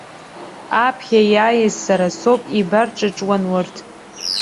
Аԥхьа иааиз сара соуп, еибарҿыҿуан урҭ.